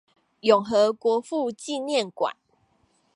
永和國父紀念館